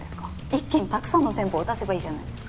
一気にたくさんの店舗を出せばいいじゃないですか。